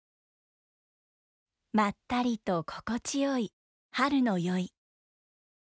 まったりと心地よい春の宵。